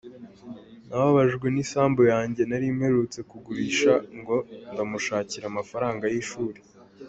Nababajwe n’isambu yanjye nari mperutse kugurisha ngo ndamushakira amafaranga y’ishuri.